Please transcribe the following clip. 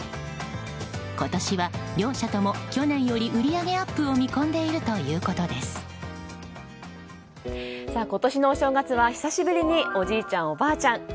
今年は両社とも、去年よりも売り上げアップを見込んでいる今年のお正月は久しぶりにおじいちゃん、おばあちゃん